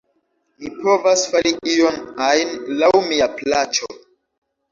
Mi povas fari ion ajn, laŭ mia plaĉo.